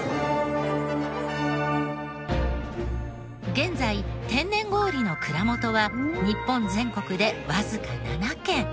現在天然氷の蔵元は日本全国でわずか７軒。